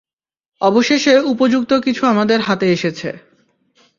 অবশেষে উপযুক্ত কিছু আমাদের হাতে এসেছে।